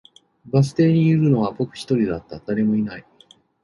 バス停にいるのは僕一人だった、誰もいない